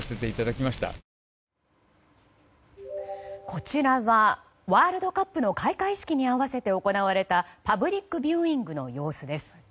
こちらはワールドカップの開会式に合わせて行われたパブリックビューイングの様子です。